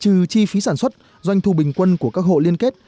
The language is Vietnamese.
trừ chi phí sản xuất doanh thu bình quân của các hộ liên kết